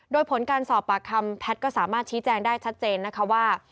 โดยผลการสอบปากคำแพทย์ก็สามารถชี้แจงได้ชัดเจนนะคะว่า